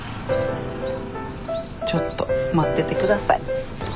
ちょっと待ってて下さい。